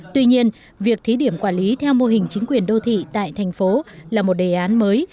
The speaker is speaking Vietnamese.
tuy nhiên việc thí điểm quản lý theo mô hình chính quyền đô thị tại thành phố là một đề án mới